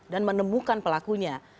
dan menemukan pelakunya